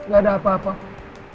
gak ada apa apa